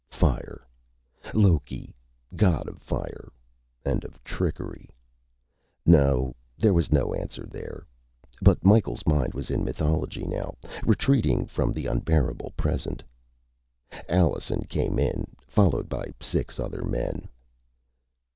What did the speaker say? Fire. Loki, god of fire. And of trickery. No, there was no answer there. But Micheals' mind was in mythology now, retreating from the unbearable present. Allenson came in, followed by six other men.